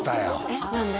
えっ何で？